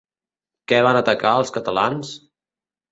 Què van atacar els catalans?